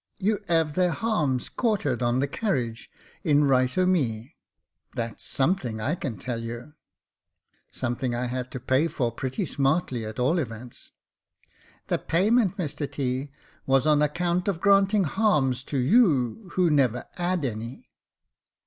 You 'ave their ^arms quartered on the carriage in right o' me. That's some thing, I can tell you." "Something I had to pay for pretty smartly, at all events." " The payment, Mr T., was on account of granting ^arms to you, who never ^ad any."